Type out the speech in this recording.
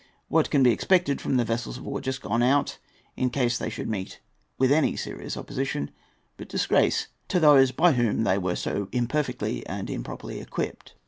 What can be expected from the vessels of war just gone out, in case they should meet with any serious opposition, but disgrace to those by whom they were so imperfectly and improperly equipped?